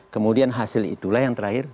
kemudian hasil itulah yang terakhir